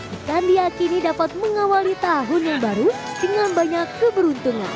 ikan diakini dapat mengawali tahun yang baru dengan banyak keberuntungan